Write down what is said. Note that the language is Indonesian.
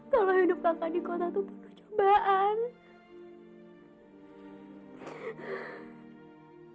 kalau hidup kakak di kota itu pun kecobaan